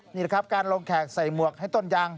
นี่แหละครับการลงแขกใส่หมวกให้ต้นยาง